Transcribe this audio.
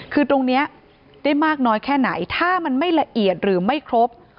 คือตรงนี้ได้มากน้อยแค่ไหนถ้ามันไม่ละเอียดหรือไม่ครบ